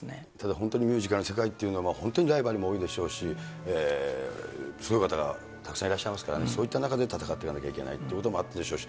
本当にミュージカルの世界というのは、本当にライバルも多いでしょうし、すごい方がたくさんいらっしゃいますからね、そういった中で戦っていかなきゃいけないということもあったでしょうし。